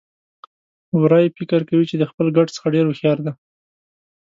وری فکر کوي چې د خپل ګډ څخه ډېر هوښيار دی.